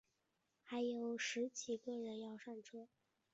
还有十几个人要上车